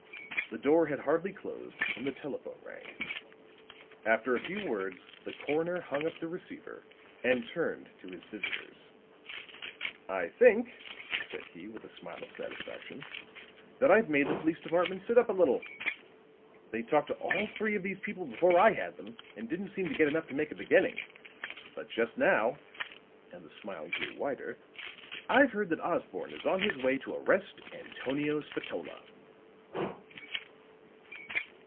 The door had hardly closed when the telephone rang. After a few words, the coroner hung up the receiver and turned to his visitors. "I think," said he, with a smile of satisfaction, "that I've made the police department sit up a little. They talked to all three of these people before I had them, and didn't seem to get enough to make a beginning. But just now," and the smile grew wider, "I've heard that Osborne is on his way to arrest Antonio Spatola."